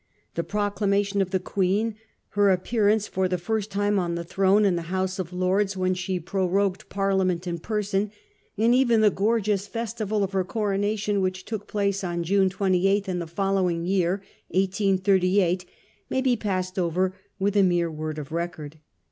The proclamation of the Queen, her appearance for the first time on the throne in the House of Lords when she prorogued Parliament in person, and even the gorgeous festival of her coronation, which took place on June 28, in the following year, 1838, may be passed over with a mere word of record.